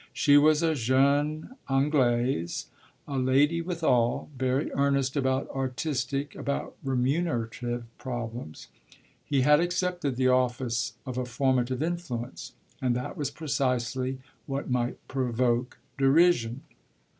She was a jeune Anglaise a "lady" withal very earnest about artistic, about remunerative problems. He had accepted the office of a formative influence; and that was precisely what might provoke derision.